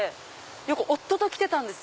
よく夫と来てたんです。